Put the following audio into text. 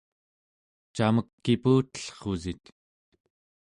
camek kiputellrusit?